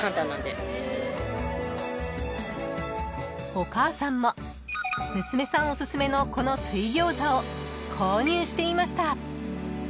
［お母さんも娘さんおすすめのこの水餃子を購入していました］